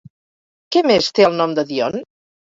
Què més té el nom de Dione?